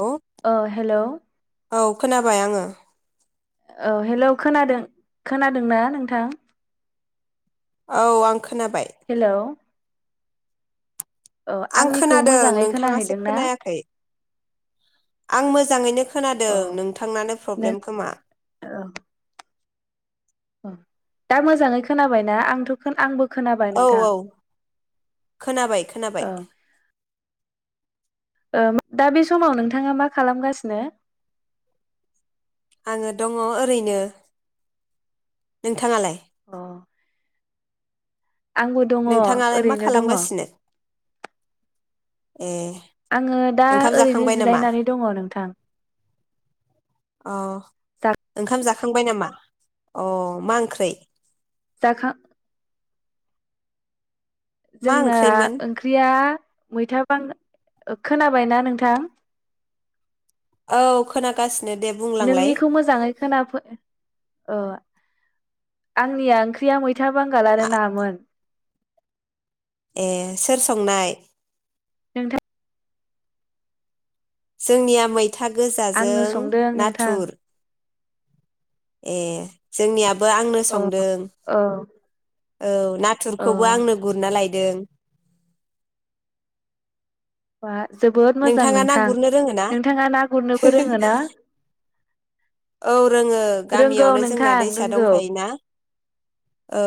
औ ओ हेलौ औ खोनाबाय आंङो औ हेलौ खोनादों खोनादों ना नोंथां औ आं खोनाबाय हेलौ औ आं आंनिखौ खोनादों मोजाङै नोंथांङासो खोनाहैदोंना खोनायाखै आं मोजांङैनो अ खोनादों नोंथांनानो नो प्रब्लेम खोमा औ औ दा मोजांङै खोनाबायना आंथ आंबो खोनाबाय औ नोंथां औ खोनाबाय खोनाबाय औ ओ दा बे समाव नोंथाङा मा खालामगासिनो आङो दंङ ओरैनो नोंथाङालाय अ आंबो दंङ नोंथाङालाय मा ओरैनो दंङ [inaudible] खालामगासिनो ए आङो दा ओंखाम ओरैनो जाखांबाय नामा जिरायनानै दङ नोंथां। अ ओंखाम जाखांबाय नामा अ मा ओंख्रै? जाखा मा जोंना ओंख्रैमोन ओंख्रिया मैथा बां खोनाबायना नोंथां? औ खोनागासि नोंनिखौ मोजाङै खोना ओ आंनिया ओंख्रिया मैथा बांगाल आरो आ- नामोन। ए सोर संनाय? नोंथां जोंनिया मै था आंनो गोजाजों संदों नोंथां नाथुर। ए जोंनिया बो आंनो औ संदों औ औ औ नाथुरखौबो आंनो गुरना लाय दों [inaudible] बा जोबोद मोजां नोंथाङा ना नोंथां गुरनो रोङो ना नोंथाङा ना गुरनोबो रोङो ना [unintelligible] औ रोङो रोंगौ गामियावनो जोंना नोंथां दैसा रोंगौ दंखायोना औ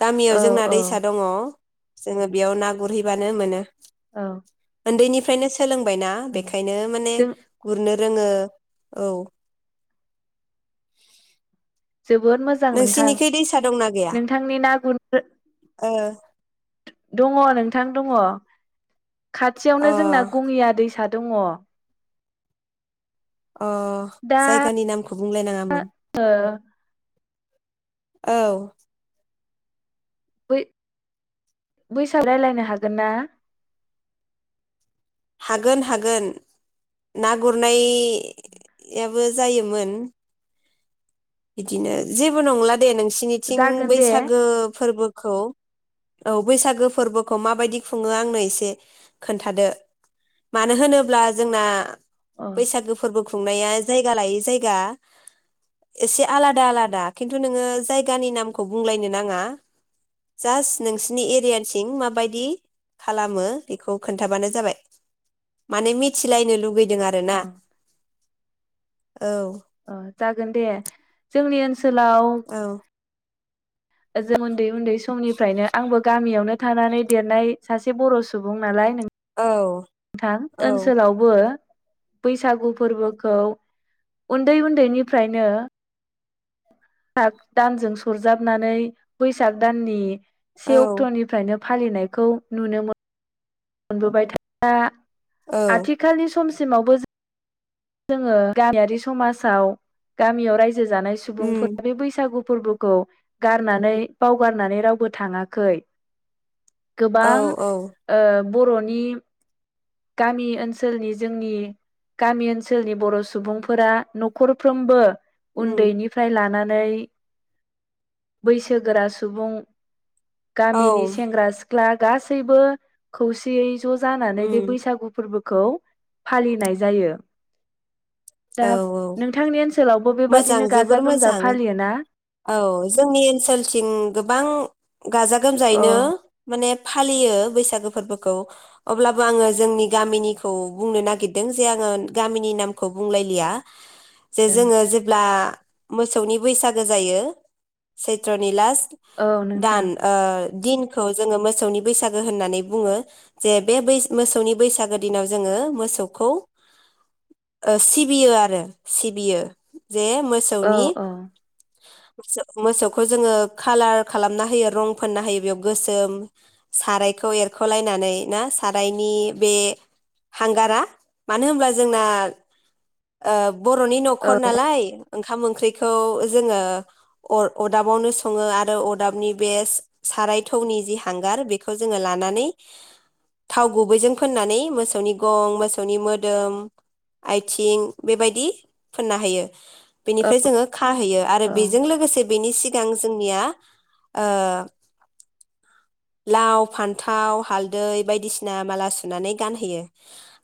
गामियाव औ जोंना औ दैसा दङ। जोङो बेयाव ना गुरहैबानो मोनो। ओं उन्दैनिफ्रायनो सोलोंबायना बेखायनो माने जों गुरनो रोङो औ [inaudible] जोबोद मोजां नोंथां नोंसिनिखै दैसा दंना गैया नोंथांनि ना गुर ओ दङ नोंथां दङ। अ खाथियावनो जोंना गङिया दैसा दङ। अ दा जायगानि नामखौ बुंलायनाङामोन। ओ औ बै बैसा रायलायनो हागोन ना? हागोन हागोन ना गुरनायाबो जायोमोन। बिदिनो जेबो नंला। दे नोंसिनिथिं जागोन दे बैसागो फोरबोखौ औ बैसागो फोरबोखौ माबायदि खुङो आंनो एसे खोन्थादो मानो होनोब्ला जोंना अ बैसागो फोरबो खुंनाया जायगा लायै जायगा एसे आलादा आलादा खिन्थु नोङो जायगानि नामखौ बुंलायनो नाङा जास्ट नोंसिनि एरियाथिं माबायदि खालामो बेखौ खोन्थाबानो जाबाय माने मिथिलायनो लुुगै दों आरोना। अ औ। अ जागोन दे जोंनि ओनसो सोलाव औ [unintelligible] उन्दै उन्दै समनिफ्रायनो आंबो गामियावनो थानानै देरनाय सासे बर' सुबुं नालाय नों औ। नोंथां औ ओनसोलावबो बैसागु फोरबोखौ उन्दै उन्दैनिफ्रायनो [unintelligible] दानजों सरजाबनानै बैसाग दाननि औ से अक्ट'निफ्रायनो फालिनायखौ नुनो मो मोनबोबाय [unintelligible] औ आथिखालनि समसि सिमावबो जोङो गामियारि समाजाव गामियाव रायजो जानाय उम सुबुंफोरा बे बैसागु फोरबोखौ गारनानै बाव गारनानै रावबो थाङाखै। औ गोबां औ ओ बर'नि गामि ओनसोलनि जोंनि गामि ओनसोलनि बर' सुबुंफोरा न'खरफ्रोमबो उम उन्दैनिफ्राय लाना नै बैसोगोरा सुबुं गामिनि औ सेंग्रा सिख्ला गासैबो खौसेयै ज' जानानै बे उम बैसागु फोरबो खौ फालिनाय जायो। दा औ औ नोंथांनि ओनसोल मोजां जोबोर मोजां औ जोंनि ओनसोलथिं गोबां गाजा औ गोमजायैनो माने फालियो बैसागो फोरबोखौ अब्लाबो आङो जोंनि गामिनिखौ बुंनो नागिरदों जे आङो गामिनि नामखौ बुंलायलिया। जे जोङो जेब्ला मोसौनि बैसागो जायो सैत्रनि लास औ दान नोंथां ओ दिनखौ जोङो मोसौनि बैसागो होननानै बुङो जे बे मोसौनि बैसागो दिनाव जोङो मोसौखौ सिबियो आरो सिबियो। जे औ मोसौनि औ मोसौखौ जोङो खालार खालामना होयो रं फोनना होयो बेयाव गोसोम सारायखौ एरख'लायनानै ना सारायनि बे हांगारा मानो होनब्ला जोंना बर'नि औ न'खर ओंखाम ओंख्रिखौ जोङो अरदाबावनो सङो आरो अरदाबनि बे साराय थौनि जि हांगार बेखौ जोङो लानानै थाव गुबैजों फोननानै मोसौनि गं मोसौनि मोदोम आथिं बेबायदि फोनना हायो। औ बेनिफ्राय जोङो खाहैयो आरो औ बेजों लोगोसे बेनि सि सिगां जोंनिया ओ लाव फान्थाव हालदै बायदिसिना माला सुनानै गानहोयो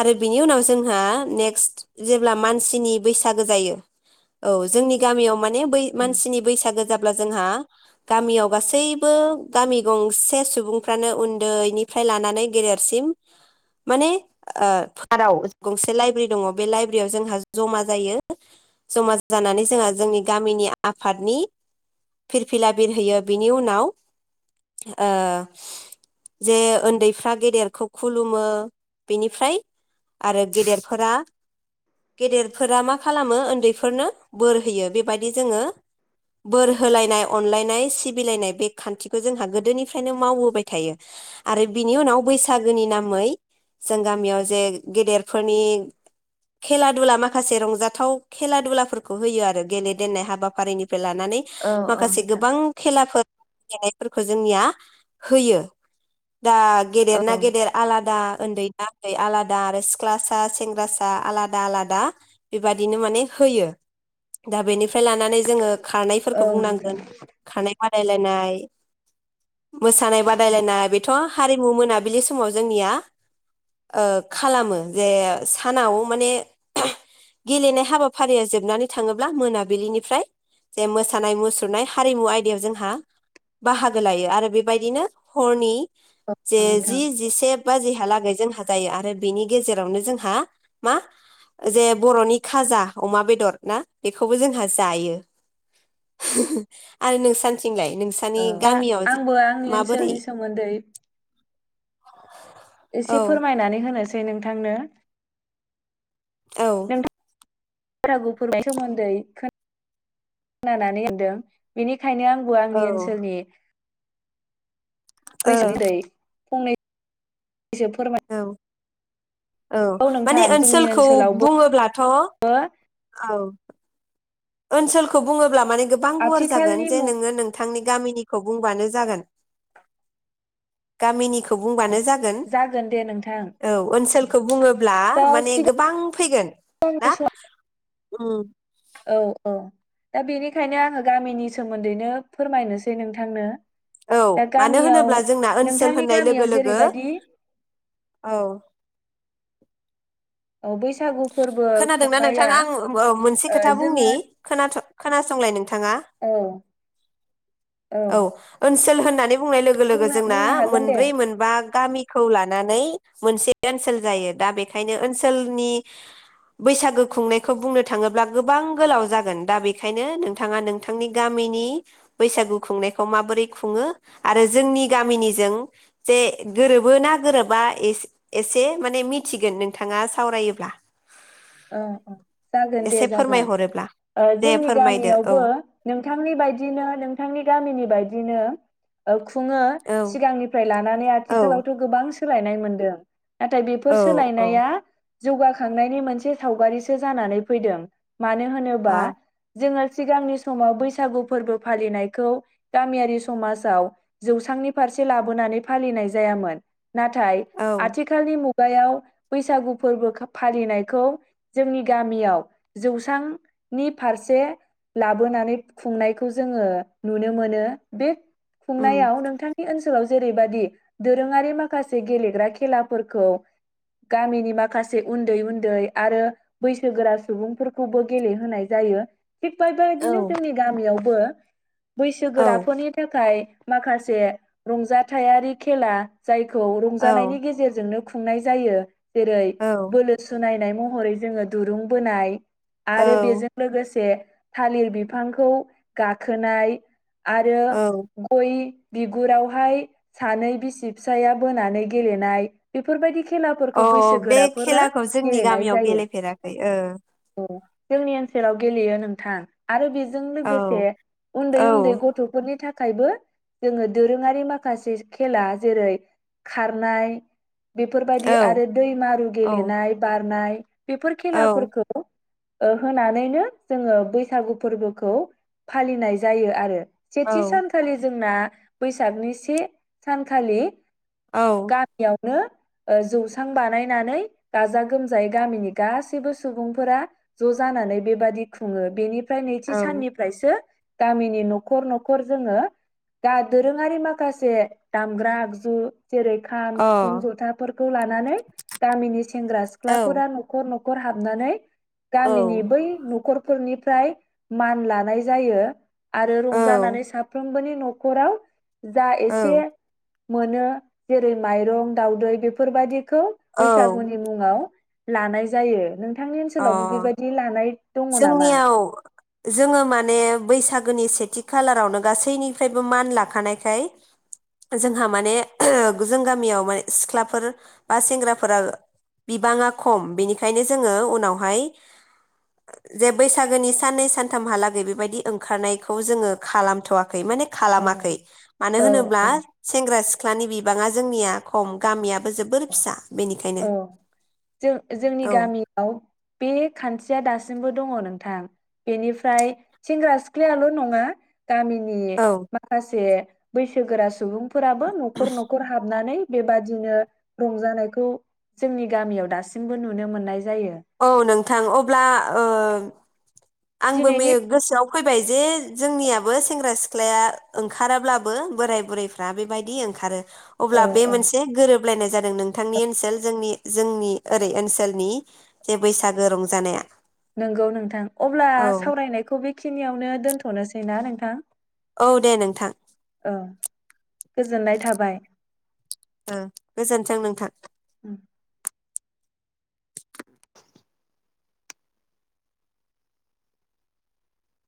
आरो बिनि उनाव जोंहा नेक्स्ट जेब्ला मानसिनि बैसागो जायो औ जोंनि गामियाव माने बै मानसिनि बैसागो जाब जोंहा गामियाव गासैबो गामि गंसे से सुबुंफ्रानो उन्दैनिफ्राय लानानै गेदेरसिम माने ओ फाराव गंसे लाइब्रेरि दङ बे लाइब्रेरियाव जोंहा जमा जायो जमा जानानै जोंहा जोंनि गामिनि आफादनि फिरफिला बिरहोयो बिनि उनाव ओ जे उन्दैफ्रा गेदेरखौ खुलुमो बेनिफ्राय आरो गेदेफोरा गेदेरफोरा मा खालामो उन्दैफोरनो बोर होयो बे जो बोर होलायनाय अनलायनाय सिबिलानाय बे खान्थिखौ जोंहा गोदोनि बेखायनो मावबाय थायो आरो बिनि उनाव बैस बैसागोनि नामै जों गामियाव जे गेदेरफोरनि खेला दुला माखासे रंजाथाव खेला दुलाफोरखौ होयो आरो गेले देननाय हाबा हाारिनिफ्राय लानानै औ औ माखासे नोंथां गोबां खेलाफोर गेलेनायफोरखौ जोंनिया होयो। दा औ गेदेर ना गेदेर आलादा। उन्दैना उन्दै आलादा आरो सिख्ला सा सेंग्रासा आलादा- आलादा बेबादिनो माने होयो दा बेनिफ्राय फ्राय लानानै जोङो खारनायफोरखौ औ नोंथां बुंनांगोन खार बादायलायनाय मोसानाय बादायलायनाया बेथ' हारिमु मोनाबिलि समाव जोंनिया ओ खालामो जे सानाव माने गेलेनाय हाबाफारिया जोबनानै थाङोब्ला मोनाबिलिनिफ्राय जे मोसानाय मुसुरनाय हारिमु आयदायाव जोंहा बाहागो लायो आरो बेबायदिनो हरनि जे औ नोंथां जि जिसे बाजि हा लागै जोंहा जायो आरो बिना गेजेरावनो जोंहा मा जे बर'नि‌ खाजा अमा बेदर ना बेखौबो जोंहा जायो [unintelligible] आरो नोंसानि थिंलाय नोंसानि औ दा गामियाव आंबो आंनि माबोरै ओनसोलनि सोमोन्दै एसे औ फोरमायनानै होनो सै नोंथांनो औ। [unintelligible] फोरमायनायनि सोमोन्दै खोना नानै मोनदों बिनि बेखायनो आंबो औ आंनि ओनसोलनि ओ बैसोनि दायो फंनै इसे फोरमाय औ औ माने नोंथां जोंनि ओनसोलखौ ओनसोलावबो बुङोब्लाथ' औ ओनसोलखौ बुङोब्ला माने गोबां गुवार जागोन आथिखालनि जे मुग नोङो नोंथांनि गामिनि खौ बुंबानो जागोन गामिनि खौ बुंबानो जागोन दे नोंथां औ ओनसोलखौ बुङोब्ला दा माने गोबां फैगोन ना? सिगांनि सम उम औ औ दा बेनिखायनो आङो गामिनि सोमोन्दैनो फोरमायनोसै नोंथांनो औ दा मानो गामियाव होनोब्ला जोंना ओनसोल नोंथांनि होननाय गामियाव लोगो लोगो जेरैबादि औ [inaudible] बैसागु फोरबो खोनादोंना खुंनाया नोंथांङा आं ओ मोनसे ओ खोथा जोङो बुंनि खोनाथ' खोनासंलाय नों थांङा औ औ ओनसोल होननानै बुंनाय लोगो लोगो बुंनो जोंना बुंनो हागोन दे मोनब्रै मोनबा गामि खौ लानानै मोनसे ओनसोल जायो दा बेखायनो ओनसोलनि बैसागु खुंनायखौ बुंनो थाङोब्ला गोबां गोलाव जागोन दा बेखायनो नोंथाङा नोंथांनि गामिनि बैसागु खुंनायखौ माबोरै खुङो आरो जोंनि गामिनिजों जे गोरोबो ना गोरोबा एसे एसे माने मिथिगोन नोंथाङा सावरायोब्ला। ओ ओ जागोन दे एसे जागोन फोरमायहरोब्ला ओ दे जोंनि फोरमायदो औ गामियावबो नोंथांनि बायदिनो नोंथांनि गामिनि बायदिनो ओ खुत खुङो औ सिगांनिफ्राय लानानै औ आथिखालावथ' गोबां सोलायनाय मोनदों। नाथाय बेफोर औ सोलायनाया जौगाखांनायनि मोनसे सावगारिसो जानानै फैदों। मानो होनोबा अ जोङो सिगांनि समाव बैसागु फोरबो फालिनायखौ गामियारि समाजाव जौसांनि फारसे लाबोनानै फालिनाय जायामोन। नाथाय औ आथिखालनि मु खुगायाव बैसागु फोरबो फालिनायखौ जोंनि गामियाव जौस्रांनि फारसे लाबोनानै खुंनायखौ जोङो नुनो मोनो बे उम खुंनायाव नोंथांनि ओनसोलाव जेरैबायादि दोरोङारि माखासे गेलेग्रा खेलाफोरखौ गामिनि माखासे उन्दै उन्दै आरो बैसोगोरा सुबुंफोरखौबो गेलेहोनाय जायो। थिग औ बायबायदिनो जोंनि गामियाव बो औ बैसोगोराफोरनि थाखाय माखासे रंजाथायारि खेला जायखौ रंजानायनि औ गेजेरजोंनो खुंनाय जायो जेरै औ बोलो सुनाय महरै जोङो दुरुं बोनाय आरो बेजों औ लोगोसे थालिर बिफांखौ गाखोनाय आरो गय बिगुरावहाय सानै बिसि फिसाया बोनानै गेलेनाय बेफोरबायदि खेलाफोरखौ बैसोगोराफोरा गेलेनाय राव जायो। गेलेफेराखै औ जोंनि ओनसोलाव गेलेयो नोंथां आरो बेजों लोगोसे औ उन्दै उन्दै औ गथ'फोरनि थाखाय थाखायबो जोङो दोरोङारि माखासे खेला जेरै खारनाय बेफोरबायदि औ आरो दै मारु औ गेलेनाय बारनाय बेफोर औ खेलाफोरखौ ओ होनानैनो जोङो बैसागु फोरबोखौ फालिनाय जायो आरो औ सेथि सानखालि जोंना बैसागनि से सानखालि औ नों ओ जौस्रां बानायनानै गा गोमजायै गामिनि गासैबो सुबुंफोरा ज' जानानै बेबादि खुङो बेनि फ्राय अ नैथि साननिफ्रायसो गामिनि न'खर न'खर जोङो दा दोरोङारि माखासे दामग्रा आगजु जेरै औ खाम सिफुं जथाफोरखौ लानानै गामिनि सेंग्रा सिख्ला फोरा नखर न' खर हाबनानै गामिनि बै न'खर फोरनिफ्राय मान लानाय जायो आरो औ रंजानानै साफ्रोमबोनि न'खराव जा एसे औ मोनो जेरै माइरं, दावउदै बेफोरबायदि खौ औ बैसागुनि मुङाव लानाय जायो। नों थांनि ओनसोलावबो अ बेबायदि लानाय दङ नामा? जोंनियाव जोङो माने बैसागोनि सेथि खालारावनो गासैनिफ्रायबो मान लाखानायखाय जोंहा माने जों गामियाव मान सिख्लाफोर बा सेंग्राफोरा बिबाङा खम बेनिखायनो जोङो उनावहाय जे बैसागोनि साननै सानथामहालागै बेबायदि ओंखारनायखौ जोङो खालामथ'वा खै माने औ खालामाखै मानो औ होनोब्ला सेंग्रा-सि ख्लानि बिबाङा जोंनिया खम गामिया औ जों जोंनि औ गामियाव बे खान्थिया दासिम बो दङ नोंथां बेनिफ्राय सेंग्रा सिख्लायल' नङा गामिनि औ माखासे बैसोगोरा सुबुं फोराबो न'खर न'खर हाबनानै बेबादिनो रंजानायखौ जोंनि गामियाव दासिमबो नुनो मोननाय जायो औ नोंथां अब्ला ओ आंबो मे दिनैनि गोसोआव फै फैबाय जे जोंनियाबो सेंग्रा सिख्लाया ओंखाराब्लाबो बोराय बुरैफ्रा बेबायदि ओंखारो। औ अब्ला बे औ मोनसे गोरोबलायनाय जादों नोंथांनि ओनसोल जोंनि जोंनि ओरै ओनसोलनि जे बैसागो रंजानाया। नोंगौ नोंथां अब्ला औ सावरायनायखौ बेखिनियावनो दोनथ'नोसैना नों थां औ दे नोंथां [unintelligible] गोजोननाय थाबाय ओ गोजोन्थों नोंथां। [unintelligible]